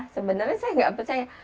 sebenarnya saya nggak percaya